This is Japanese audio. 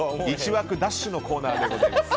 １枠奪取のコーナーでございます。